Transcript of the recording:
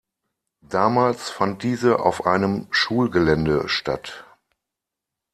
Damals fand diese auf einem Schulgelände statt.